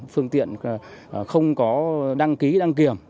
phương tiện không có đăng ký đăng kiểm